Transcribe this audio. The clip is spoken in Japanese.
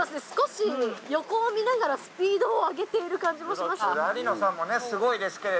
少し横を見ながらスピードを上げている感じもします。